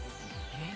えっ？